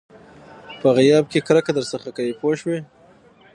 په غیاب کې کرکه درڅخه کوي پوه شوې!.